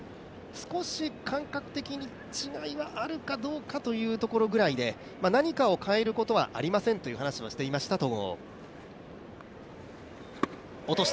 少し感覚的に違いはあるかどうかというところぐらいで何かを変えることはありませんという話をしていました戸郷。